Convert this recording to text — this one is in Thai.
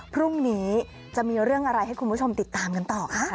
พรุ่งนี้จะมีเรื่องอะไรให้คุณผู้ชมติดตามกันต่อค่ะ